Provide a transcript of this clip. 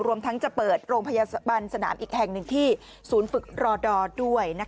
รวมทั้งจะเปิดโรงพยาบาลสนามอีกแห่งหนึ่งที่ศูนย์ฝึกรอดอร์ด้วย